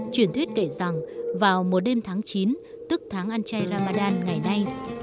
chuyển thuyết kể rằng vào một đêm tháng chín tức tháng ăn chay ramadan ngày nay